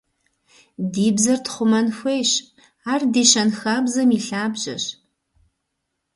Ди бзэр тхъумэн хуейщ, ар ди щэнхабзэм и лъабжьэщ.